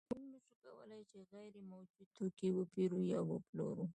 موږ نشو کولی چې غیر موجود توکی وپېرو یا وپلورو